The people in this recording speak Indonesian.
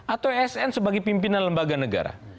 atau asn sebagai pimpinan lembaga negara